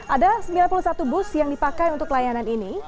ada sembilan puluh satu bus yang dipakai untuk layanan ini